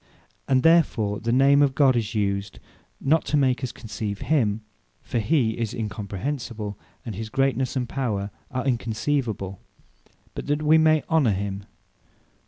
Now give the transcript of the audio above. And therefore the Name of GOD is used, not to make us conceive him; (for he is Incomprehensible; and his greatnesse, and power are unconceivable;) but that we may honour him.